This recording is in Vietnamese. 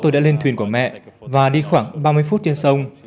tôi đã lên thuyền của mẹ và đi khoảng ba mươi phút trên sông